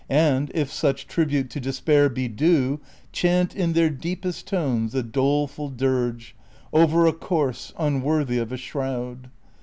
And (if such tribute to despair be due) Chant in their deepest tones a doleful dirge Over a corse unworthy of a shroud.